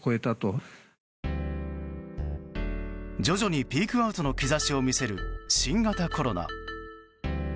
徐々にピークアウトの兆しを見せる新型コロナ。